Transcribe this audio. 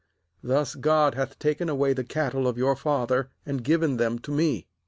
Thus God hath taken away the cattle of your father, and given them to me.